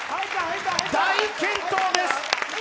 大健闘です。